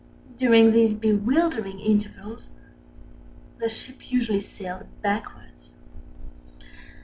During these bewildering intervals the ship usually sailed backwards.